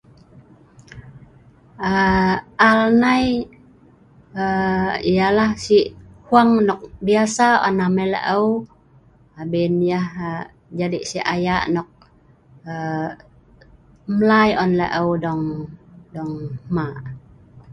aaa al nai aa yalah si' fwang nok biasa on amai la'eu, abin yah aa jadi si ayak nok aa mlai on la'eu dong dong hma